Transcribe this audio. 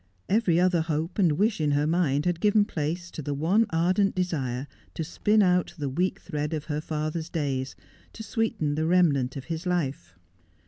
Every other hope and wish in her mind had given place to the one ardent desire to spin out the weak thread of her father's days — to sweeten the remnant of his life.